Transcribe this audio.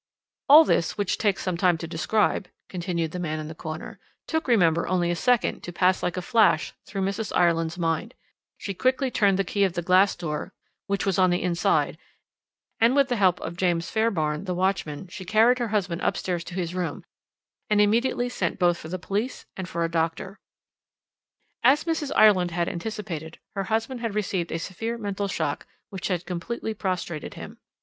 "All this, which takes some time to describe," continued the man in the corner, "took, remember, only a second to pass like a flash through Mrs. Ireland's mind; she quickly turned the key of the glass door, which was on the inside, and with the help of James Fairbairn, the watchman, she carried her husband upstairs to his room, and immediately sent both for the police and for a doctor. "As Mrs. Ireland had anticipated, her husband had received a severe mental shock which had completely prostrated him.